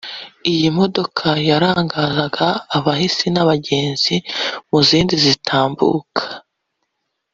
Iyi modoka yarangazaga abahisi n’abagenzi mu zindi zitambuka